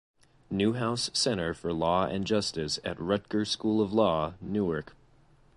Newhouse Center for Law and Justice at Rutgers School of Law - Newark.